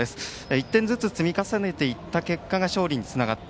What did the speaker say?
１点ずつ積み重ねていった結果が勝利につながった。